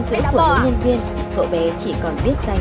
thôi con ơi con đi đi